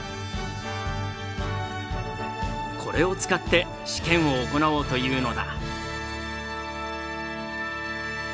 これを使って試験を行おうというのだ。